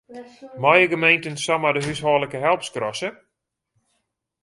Meie gemeenten samar de húshâldlike help skrasse?